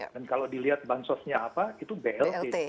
kalau dilihat bansosnya apa itu blt